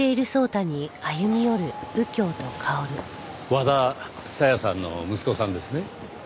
和田紗矢さんの息子さんですね。